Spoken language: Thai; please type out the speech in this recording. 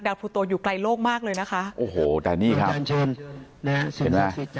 ภูโตอยู่ไกลโลกมากเลยนะคะโอ้โหแต่นี่ครับเห็นไหม